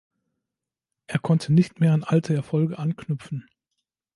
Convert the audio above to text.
Es konnte nicht mehr an alte Erfolge anknüpfen.